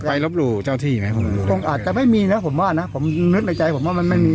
รบหลู่เจ้าที่ไหมคงอาจจะไม่มีนะผมว่านะผมนึกในใจผมว่ามันไม่มี